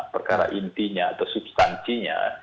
perkara intinya atau substansinya